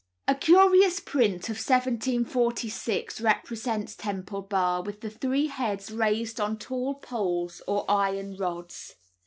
A curious print of 1746 represents Temple Bar with the three heads raised on tall poles or iron rods.